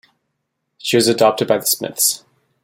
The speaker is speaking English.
She was adopted by the Smiths.